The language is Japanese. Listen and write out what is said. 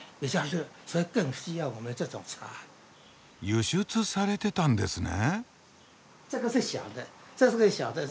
輸出されてたんですね。